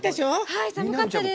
はい、寒かったです！